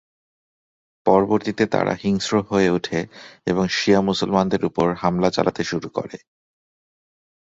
পরবর্তীতে তারা হিংস্র হয়ে ওঠে এবং শিয়া মুসলমানদের উপর হামলা চালাতে শুরু করে।